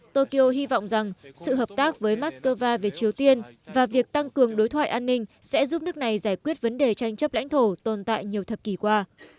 tokyo hy vọng rằng sự hợp tác với moscow về triều tiên và việc tăng cường đối thoại an ninh sẽ giúp nước này giải quyết vấn đề tranh chấp lãnh thổ tồn tại nhiều thập kỷ qua